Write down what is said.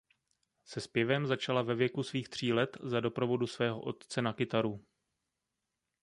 Se zpěvem začala ve věku svých tří let za doprovodu svého otce na kytaru.